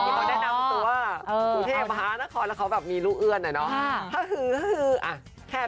เขาได้นำตัวครูเทพภาคศาลน์แล้วเค้าแบบมีลูกอื่นอะเนอะ